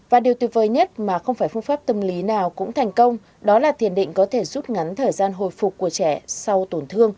và điều tuyệt vời nhất mà không phải phương pháp tâm lý nào cũng thành công đó là thiền định có thể rút ngắn thời gian hồi phục của trẻ sau tổn thương